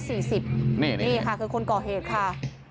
นี่ค่ะคือคนก่อเหตุค่ะ